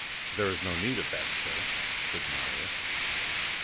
"There is no need of that, Sir," said Marius.